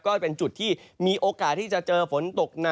ก็เป็นจุดที่มีโอกาสที่จะเจอฝนตกหนัก